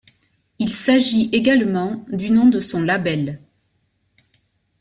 Il s'agit également du nom de son label.